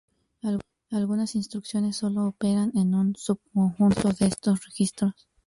Algunas instrucciones sólo operan en un subconjunto de estos registros.